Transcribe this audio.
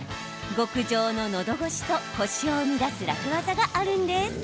極上ののどごしとコシを生み出す楽ワザがあるんです。